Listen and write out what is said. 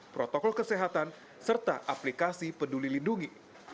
protokol kesehatan serta aplikasi peduli lindungi